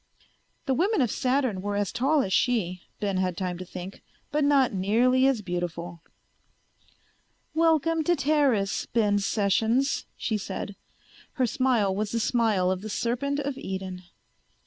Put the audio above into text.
The women of Saturn were as tall as she, Ben had time to think, but not nearly as beautiful. "Welcome to Teris, Ben Sessions," she said. Her smile was the smile of the serpent of Eden.